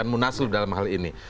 munas dalam hal ini